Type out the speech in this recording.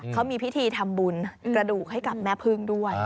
เขามีพิธีทำบุญกระดูกให้กับแม่พึ่งด้วย